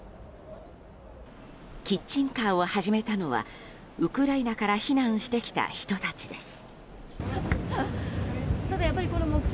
キッチンカーを始めたのはウクライナから避難してきた人たちです。